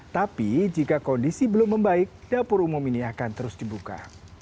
tapi jika kondisi belum membaik dapur umum ini akan terus dibuka